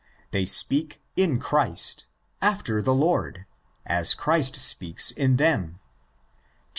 28). They speak ''in Christ,' '' after the Lord,'' as Christ speaks in them (xiii.